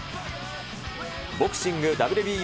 ボクシングＷＢＯ